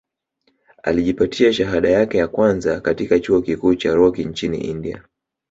Alijipatia shahada yake ya kwanza katika chuo kikuu cha Rocky nchini India